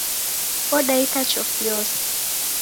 Odaika chofi yose.